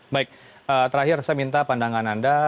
baik terakhir saya minta pandangan anda